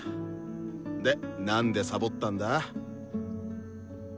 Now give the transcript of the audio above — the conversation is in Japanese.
でなんでサボったんだ？